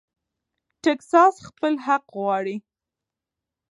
ټیکساس خپل حق غواړي.